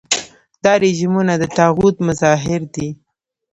دا رژیمونه د طاغوت مظاهر دي.